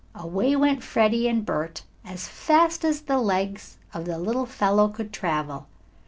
Away went Freddie and Bert, as fast as the legs of the little fellow could travel.